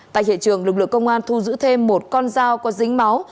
tại hiện trường lực lượng công an thu giữ thêm một con dao có dính máu